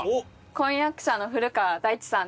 婚約者の大地さん？